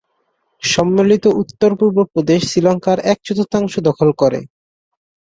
সম্মিলিত উত্তর-পূর্ব প্রদেশ শ্রীলঙ্কার এক চতুর্থাংশ দখল করে।